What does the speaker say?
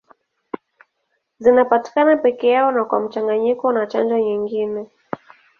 Zinapatikana peke yao na kwa mchanganyiko na chanjo nyingine.